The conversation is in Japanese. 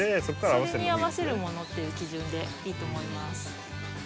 それに合わせるものっていう基準でいいと思います。